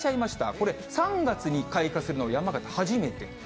これ、３月に開花するのは山形、初めて。